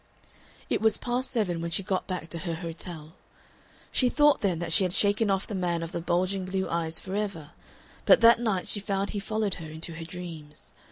It was past seven when she got back to her hotel. She thought then that she had shaken off the man of the bulging blue eyes forever, but that night she found he followed her into her dreams.